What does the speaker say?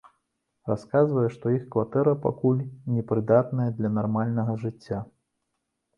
Расказвае, што іх кватэра пакуль не прыдатная для нармальнага жыцця.